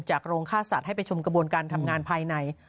โรงฆ่าสัตว์ให้ไปชมกระบวนการทำงานภายใน